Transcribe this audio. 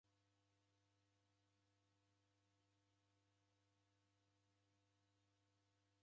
Ngelo orekoghe kilongozi wabonyere kii?